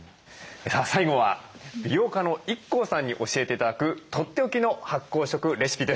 さあ最後は美容家のＩＫＫＯさんに教えて頂くとっておきの発酵食レシピです。